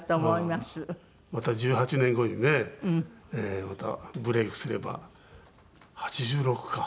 また１８年後にねまたブレークすれば８６か。